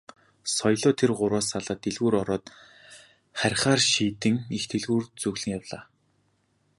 Соёлоо тэр гурваас салаад дэлгүүр ороод харихаар шийдэн их дэлгүүр зүглэн явлаа.